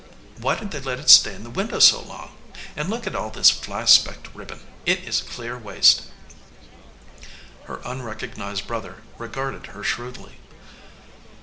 Why did they let it stay in the window so long? And look at all this fly specked ribbon. It is clear waste." Her unrecognized brother regarded her shrewd ly.